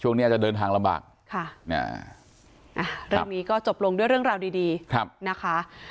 ช่วงนี้อาจจะเดินทางลำบากค่ะเนี่ยอ่าเรื่องนี้ก็จบลงด้วยเรื่องราวดีดีครับนะคะ